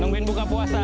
nungguin buka puasa